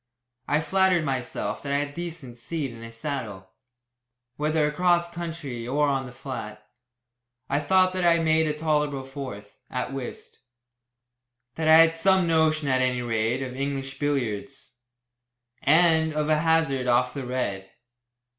I flattered myself that I had a decent seat in a saddle, whether across country or on the flat. I thought that I made a tolerable fourth at whist; that I had some notion, at any rate, of English billiards, and of a hazard off the red.